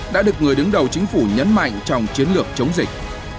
đã được người đứng đầu chính phủ nhấn mạnh trong chiến lược chống dịch